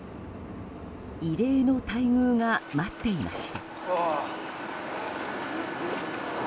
異例の待遇が待っていました。